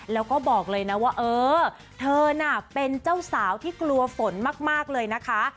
แล้วก็บอกเลยนะว่าเออเธอน่ะเป็นเจ้าสาวที่กลัวฝนมากเลยนะคะ